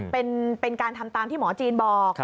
เป็นการทำตามที่หมอจีนบอก